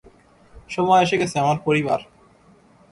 সময় এসে গেছে, আমার পরিবার।